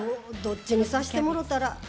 どっちにさしてもろうたら。